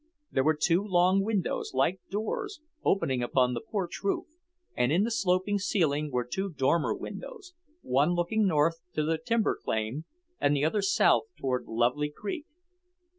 There were two long windows, like doors, opening upon the porch roof, and in the sloping ceiling were two dormer windows, one looking north to the timber claim and the other south toward Lovely Creek.